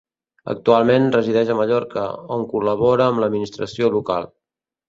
Actualment resideix a Mallorca, on col·labora amb l'administració local.